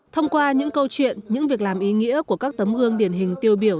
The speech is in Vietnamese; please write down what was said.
thông qua những câu chuyện những việc làm ý nghĩa của các tấm gương điển hình tiêu biểu